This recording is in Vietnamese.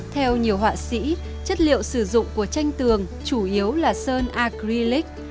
theo nhiều họa sĩ chất liệu sử dụng của tranh tường chủ yếu là sơn acrylic